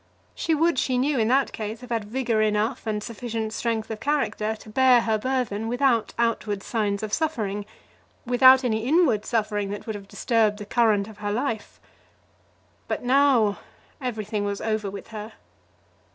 She would, she knew, in that case, have had vigour enough and sufficient strength of character to bear her burthen without outward signs of suffering, without any inward suffering that would have disturbed the current of her life. But now everything was over with her.